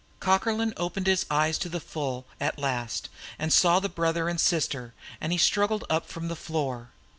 Cockerlyne opened his eyes to the full at last, and saw the brother and sister, and he struggled up from the floor.